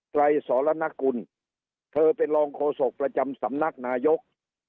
ไรสรณกุลเธอเป็นรองโฆษกประจำสำนักนายก